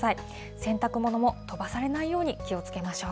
洗濯物も飛ばされないように気をつけましょう。